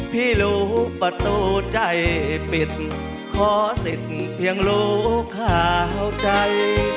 พี่รู้ประตูใจปิดขอสิทธิ์เพียงรู้ข่าวใจ